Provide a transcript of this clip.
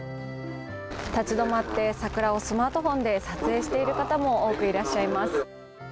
立ち止まって桜をスマートフォンで撮影している方も多くいらっしゃいます。